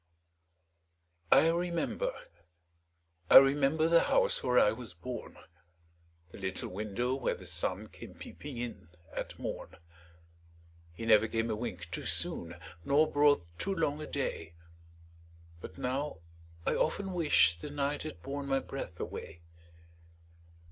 I remember, I remember, The house where I was born, The little window where the sun Came peeping in at morn; He never came a wink too soon, Nor brought too long a day, But now, I often wish the night Had borne my breath away!